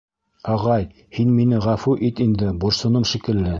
— Ағай, һин мине ғәфү ит инде, борсоном шикелле.